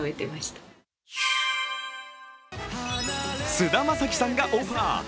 菅田将暉さんがオファー。